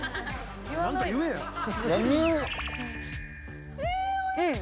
何か言えや！